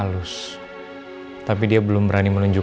yuk kita liat mama yuk